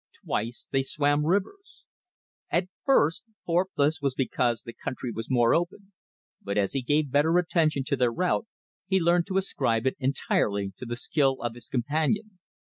Twice they swam rivers. At first Thorpe thought this was because the country was more open; but as he gave better attention to their route, he learned to ascribe it entirely to the skill of his companion.